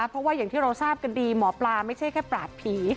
เพราะว่าอย่างที่เราทราบกันดีหมอปลาไม่ใช่แค่ปราบผี